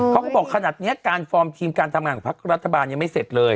เขาบอกขนาดนี้การฟอร์มทีมการทำงานของพักรัฐบาลยังไม่เสร็จเลย